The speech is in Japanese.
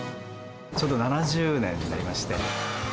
ちょうど７０年になりまして。